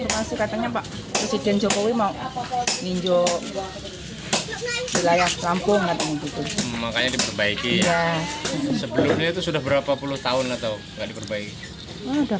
makanya diperbaiki ya sebelumnya itu sudah berapa puluh tahun atau nggak diperbaiki udah